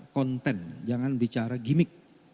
konten jangan bicara gimmick